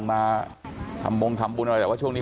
ความปลอดภัยของนายอภิรักษ์และครอบครัวด้วยซ้ำ